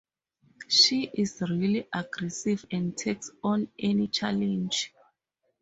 She is really aggressive and takes on any challenge.